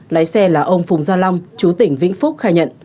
lái xe là ông phùng gia long chú tỉnh vĩnh phúc khai nhận